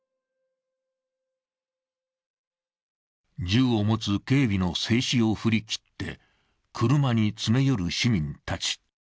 銃を持つ警備の制止を振り切って車に詰め寄る市民たち。